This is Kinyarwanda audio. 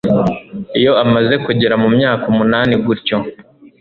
iyo amaze kugera mu myaka umunani gutyo